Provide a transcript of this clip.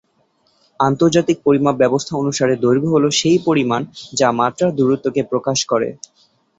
আন্তর্জাতিক পরিমাপ ব্যবস্থা অনুসারে দৈর্ঘ্য হল সেই পরিমাণ যা মাত্রার দূরত্বকে প্রকাশ করে।